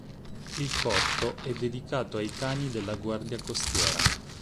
Il corto è dedicato ai cani della guardia costiera.